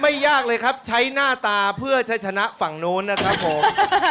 ยากเลยครับใช้หน้าตาเพื่อใช้ชนะฝั่งนู้นนะครับผม